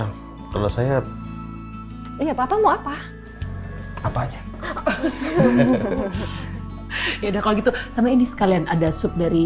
hai kalau saya iya papa mau apa apa aja ya udah kalau gitu sama ini sekalian ada sup dari